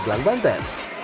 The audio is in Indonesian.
di dalam banten